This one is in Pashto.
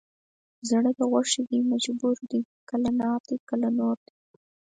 زړه د غوښې دی مجبور دی کله نار دی کله نور دی